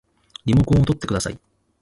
リモコンをとってください